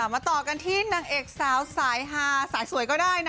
มาต่อกันที่นางเอกสาวสายฮาสายสวยก็ได้นะ